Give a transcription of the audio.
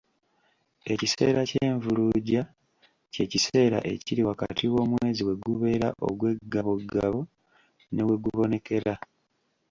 Ekiseera ky’envuluugya kye'kiseera ekiri wakati w’omwezi we gubeerera ogw’eggabogabo ne we gubonekera.